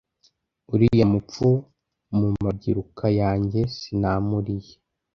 uriya mupfu mu mabyiruka yanjye sinamuriye.